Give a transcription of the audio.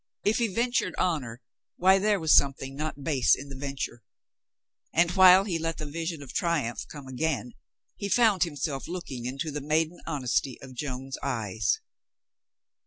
H he ventured honor, why there was something not base in the venture. And while he let the vision of triumph come again, he found himself looking into the maiden honesty of Joan's eyes.